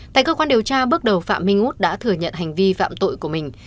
tại cơ quan điều tra bước đầu phạm minh út đã thừa nhận hành vi phạm tội của mình